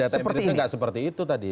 tapi data emirnya tidak seperti itu tadi